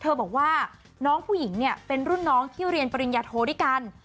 บอกว่าน้องผู้หญิงเนี่ยเป็นรุ่นน้องที่เรียนปริญญาโทด้วยกัน